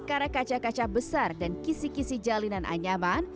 karena kaca kaca besar dan kisi kisi jalinan anyaman